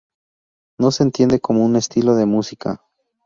No se entiende como un estilo de música.